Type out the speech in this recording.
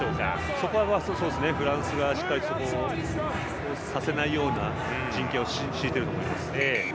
そこはフランスがしっかりさせないような陣形を敷いていると思います。